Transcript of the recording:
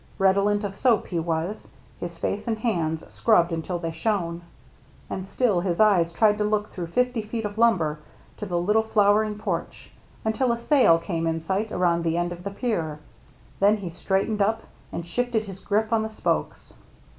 Redolent of soap he was, his face and hands scrubbed until they shone. And still his eyes tried to look through fifty feet of lumber to the little flowering porch, until a sail came in sight around the end of the pier. Then he straightened up, and shifted his grip on the spokes.